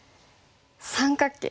三角形。